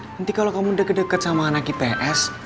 nanti kalo kamu deket deket sama anak ips